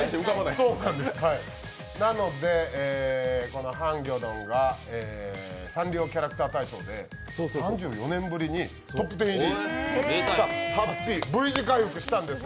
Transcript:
なので、ハンギョドンがサンリオキャラクター大賞で３４年ぶりにトップ１０入り、ハッピーＶ字回復したんですよ。